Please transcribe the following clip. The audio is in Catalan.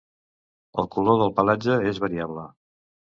El color del pelatge és variable.